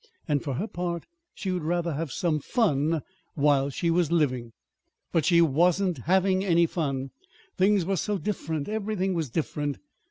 And for her part she would rather have some fun while she was living. But she wasn't having any fun. Things were so different. Everything was different.